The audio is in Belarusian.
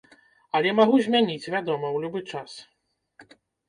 Але магу змяніць, вядома, у любы час.